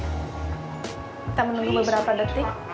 kita menunggu beberapa detik